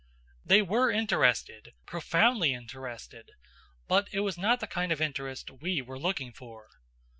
They were interested, profoundly interested, but it was not the kind of interest we were looking for.